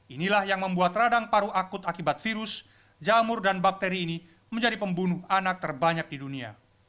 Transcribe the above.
inilah yang membuat radang paru akut akibat virus jamur dan bakteri ini menjadi pembunuh anak terbanyak di dunia